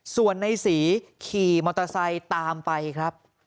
ส่วนในศรีขี่มอเตอร์ไซค์ตามไปครับ